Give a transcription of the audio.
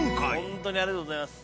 ほんとにありがとうございます。